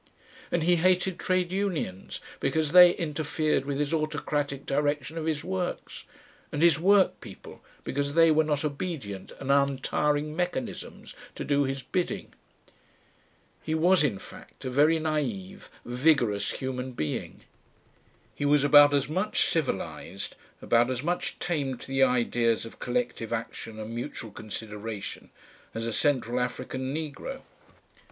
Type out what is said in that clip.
And he hated Trade Unions because they interfered with his autocratic direction of his works, and his workpeople because they were not obedient and untiring mechanisms to do his bidding. He was, in fact, a very naive, vigorous human being. He was about as much civilised, about as much tamed to the ideas of collective action and mutual consideration as a Central African negro.